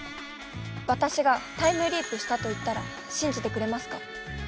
私がタイムリープしたと言ったら信じてくれますか。